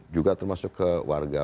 juga termasuk ke warga